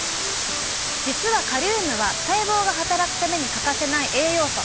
実はカリウムは細胞が働くために欠かせない栄養素。